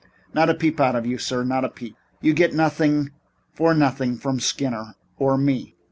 Not a peep out of you, sir. Not a peep. You get nothing for nothing from Skinner or me.